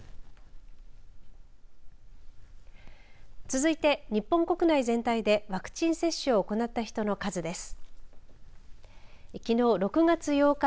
続いて、日本国内全体でワクチン接種を行った人の数です。